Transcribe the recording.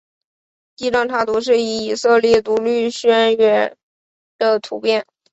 第一张插图是以色列独立宣言的照片。